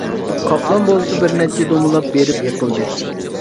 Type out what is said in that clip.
قاپلان بولسا بىرنەچچە دومىلاپ بېرىپ يېقىلدى.